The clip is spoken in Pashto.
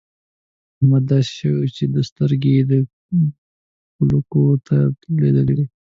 احمد داسې شوی وو چې سترګې يې کولکو ته لوېدلې وې.